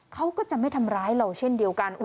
เขาก็จะไม่ทำร้ายเราเช่นเดียวกัน